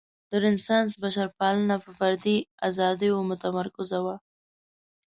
د رنسانس بشرپالنه په فردي ازادیو متمرکزه وه.